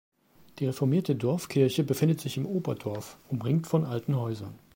Die reformierte Dorfkirche befindet sich im Oberdorf, umringt von alten Häusern.